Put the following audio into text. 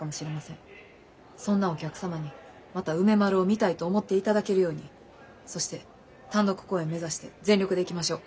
そんなお客様にまた梅丸を見たいと思っていただけるようにそして単独公演目指して全力でいきましょう。